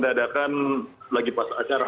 diadakan lagi pas acara